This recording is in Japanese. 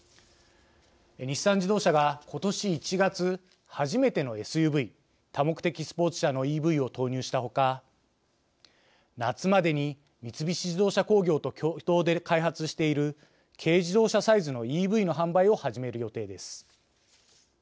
日産自動車がことし１月初めてのＳＵＶ多目的スポーツ車のＥＶを投入したほか夏までに三菱自動車工業と共同で開発している軽自動車サイズのＥＶの販売を始める予定です。